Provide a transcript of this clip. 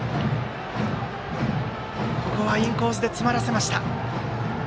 ここはインコースで詰まらせました。